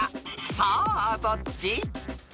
さあどっち？］